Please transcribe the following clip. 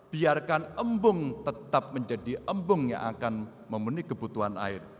biarkan embung tetap menjadi embung yang akan memenuhi kebutuhan air